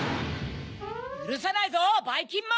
ゆるさないぞばいきんまん！